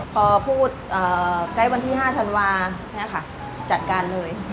พอพูดใกล้วันที่๕ธันวาจัดการเลย